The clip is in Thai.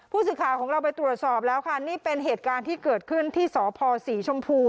ผู้สื่อข่าวของเราไปตรวจสอบแล้วค่ะนี่เป็นเหตุการณ์ที่เกิดขึ้นที่สพศรีชมพู